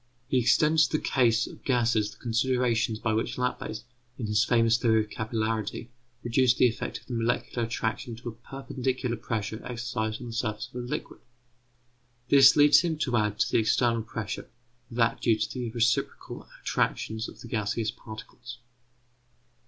He extends to the case of gases the considerations by which Laplace, in his famous theory of capillarity, reduced the effect of the molecular attraction to a perpendicular pressure exercised on the surface of a liquid. This leads him to add to the external pressure, that due to the reciprocal attractions of the gaseous particles.